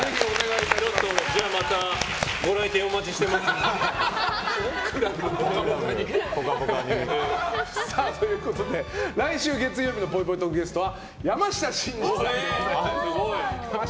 またご来店をお待ちしてますんで。ということで来週月曜日のぽいぽいトーク、ゲストは山下真司さんでございます。